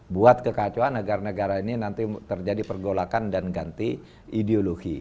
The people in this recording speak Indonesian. buat kekacauan agar negara ini nanti terjadi pergolakan dan ganti ideologi